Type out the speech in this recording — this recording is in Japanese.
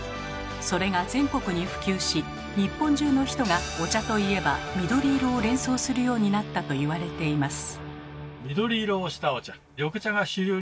それが全国に普及し日本中の人がお茶といえば緑色を連想するようになったと言われています。